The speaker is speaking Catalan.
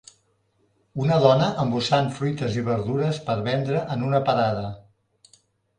una dona embossant fruites i verdures per vendre en una parada